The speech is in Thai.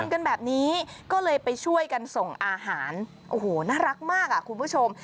กันแบบนี้ก็เลยไปช่วยกันส่งอาหารโอ้โหน่ารักมากอ่ะคุณผู้ชม